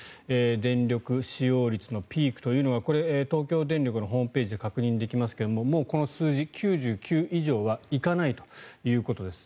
電力使用率のピークというのが東京電力のホームページで確認できますがもうこの数字、９９以上は行かないということです。